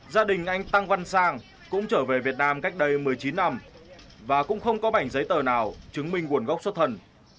gia đình anh tăng văn sang cũng trở về việt nam cách đây một mươi chín năm và cũng không có bảnh giấy tờ nào chứng minh nguồn gốc xuất thân